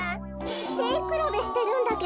せいくらべしてるんだけど。